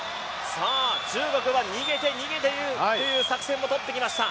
中国は逃げて、逃げてという作戦をとってきました。